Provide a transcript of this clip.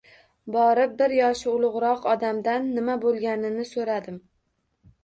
Borib bir yoshi ulugʻroq odamdan nima boʻlganini soʻradim.